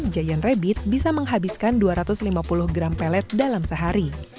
giant rabbit bisa menghabiskan dua ratus lima puluh gram pelet dalam sehari